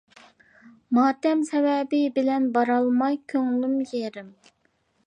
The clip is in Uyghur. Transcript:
ماتەم سەۋەبى بىلەن بارالماي كۆڭلۈم يېرىم.